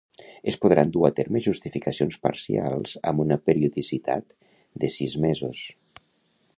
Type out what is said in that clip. Es podran dur a terme justificacions parcials amb una periodicitat de sis mesos.